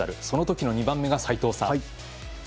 そのときの２番目が齋藤さん。